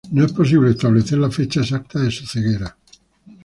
No es posible establecer la fecha exacta de su ceguera.